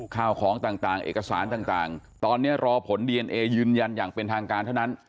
ข้าวของต่างเอกสารต่างตอนนี้รอผลดีเอนเอยืนยันอย่างเป็นทางการเท่านั้น